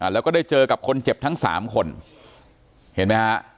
แล้วก็ได้เจอกับคนเจ็บทั้งสามคนเห็นไหมฮะ